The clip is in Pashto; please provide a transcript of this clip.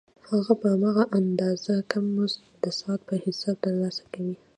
هغه په هماغه اندازه کم مزد د ساعت په حساب ترلاسه کوي